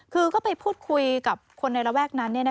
คือก็ไปพูดคุยกับคนในระแวกนั้น